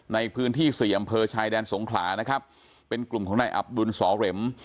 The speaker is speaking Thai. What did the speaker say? ในพื้นที่สี่อำเภอชายแดนสงขลานะครับเป็นกลุ่มของนายอับดุลสอเหล็ม